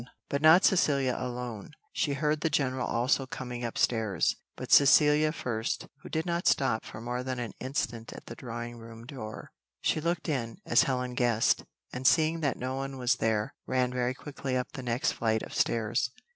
But not Cecilia alone; she heard the general also coming upstairs, but Cecilia first, who did not stop for more than an instant at the drawing room door: she looked in, as Helen guessed, and seeing that no one was there, ran very quickly up the next flight of stairs.